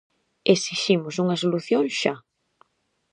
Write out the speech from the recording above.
Esiximos unha solución xa!